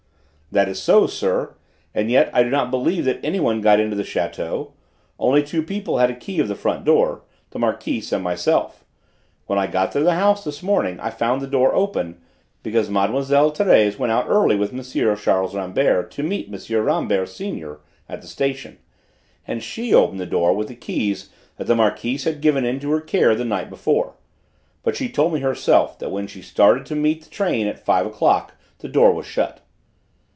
"That is so, sir: and yet I do not believe that anybody got into the château; only two people had a key of the front door the Marquise and myself. When I got to the house this morning I found the door open, because Mlle. Thérèse went out early with M. Charles Rambert to meet M. Rambert, senior, at the station, and she opened the door with the keys that the Marquise had given into her care the night before; but she told me herself that when she started to meet the train at five o'clock the door was shut.